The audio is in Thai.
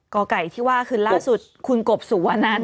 กไก่ที่ว่าคือล่าสุดคุณกบสุวนัน